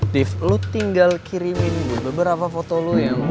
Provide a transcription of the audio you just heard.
tiff lu tinggal kirimin gue beberapa foto lu yang unik